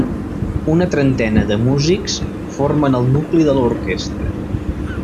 Una trentena de músics formen el nucli de l'orquestra.